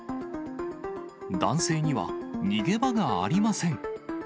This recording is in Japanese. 男性には逃げ場がありません。